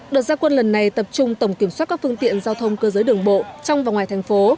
đợt gia quân lần này tập trung tổng kiểm soát các phương tiện giao thông cơ giới đường bộ trong và ngoài thành phố